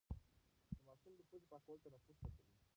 د ماشوم د پوزې پاکول تنفس ښه کوي.